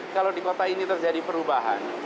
kalau di kota ini terjadi perubahan